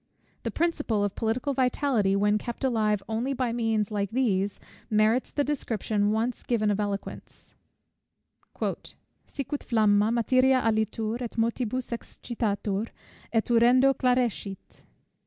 The principle of political vitality, when kept alive only by means like these, merits the description once given of eloquence: "Sicut flamma, materia alitur, & motibus excitatur, & urendo clarescit."